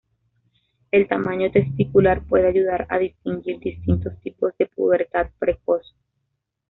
El tamaño testicular puede ayudar a distinguir distintos tipos de pubertad precoz.